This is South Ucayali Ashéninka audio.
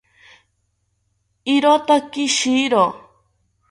Irotaki shiro